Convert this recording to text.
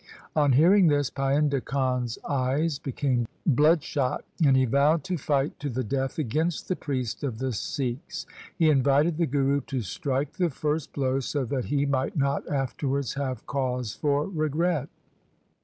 On hearing this Painda Khan's eyes became bloodshot, and he vowed to fight to the death against the priest of the Sikhs. He invited the Guru to strike the first blow, so that he might not afterwards have cause for regret.